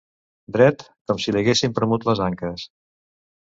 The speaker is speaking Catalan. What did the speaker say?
Dret, com si li haguessin premut les anques.